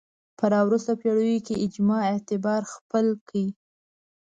په راوروسته پېړیو کې اجماع اعتبار خپل کړ